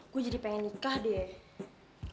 gue jadi pengen nikah deh